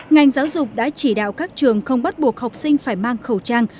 ngành giáo dục đã chỉ đạo các trường không bắt buộc học sinh phải mang khẩu trang